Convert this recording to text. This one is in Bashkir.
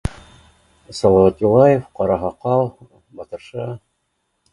Салауат Юлаев, Ҡараһаҡал, Батырша